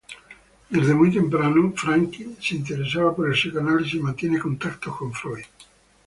Desde muy temprano Frankl se interesa por el psicoanálisis y mantiene contacto con Freud.